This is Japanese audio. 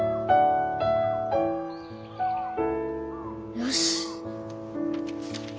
よし。